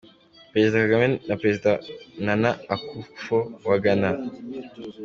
Perezida Kagame na Perezida Nana Akufo wa Ghana.